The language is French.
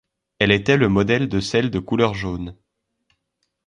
Elle était le modèle de celles de couleur jaune.